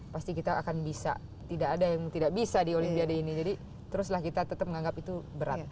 pasti kita akan bisa tidak ada yang tidak bisa di olimpiade ini jadi teruslah kita tetap menganggap itu berat